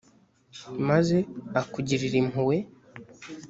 maze akugirire impuhwe,